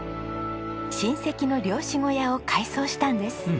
親戚の漁師小屋を改装したんです。